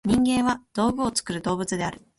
人間は「道具を作る動物」である。